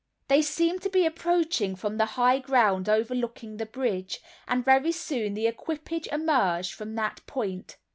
They seemed to be approaching from the high ground overlooking the bridge, and very soon the equipage emerged from that point.